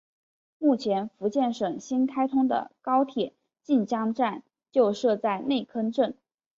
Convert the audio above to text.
目前福建省新开通的高铁晋江站就设在内坑镇。